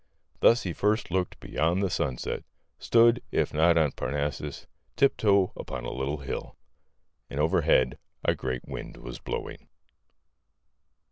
Thus he first looked beyond the sunset; stood, if not on Parnassus, tiptoe upon a little hill. And overhead a great wind was blowing.